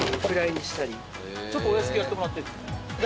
ちょっとお安くやってもらってるんですか？